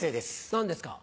何ですか？